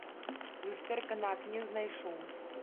Люстэрка на акне знайшоў.